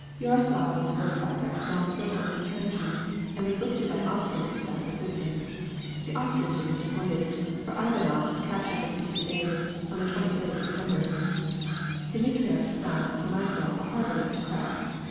Jaroslav was fortified by a strong circle of intrenchments and was looked to by Austria for stout resistance. The Austrians were disappointed, for Ivanov captured it in three days, on the 23d of September. Dmitrieff found Przemysl a harder nut to crack.